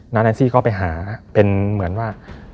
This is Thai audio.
แอนซี่ก็ไปหาเป็นเหมือนว่า